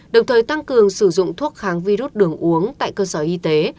đồng thời tăng cường sử dụng thuốc kháng virus đường uống tại cơ sở y tế